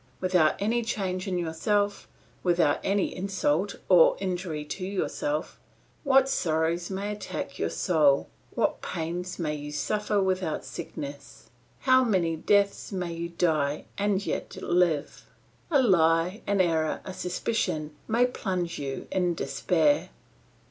Without any change in yourself, without any insult, any injury to yourself, what sorrows may attack your soul, what pains may you suffer without sickness, how many deaths may you die and yet live! A lie, an error, a suspicion, may plunge you in despair.